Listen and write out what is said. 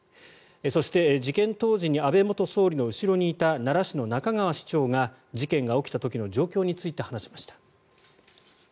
そして、事件当時に安倍元総理の後ろにいた奈良市の仲川市長が事件が起きた時の状況について話しました。